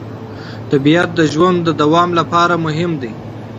طبیعت د ژوند د دوام لپاره مهم دی